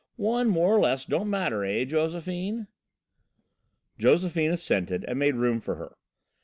One more or less don't matter, eh, Josephine?" Josephine assented and made room for her.